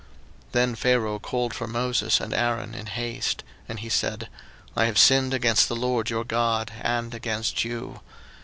02:010:016 Then Pharaoh called for Moses and Aaron in haste; and he said, I have sinned against the LORD your God, and against you.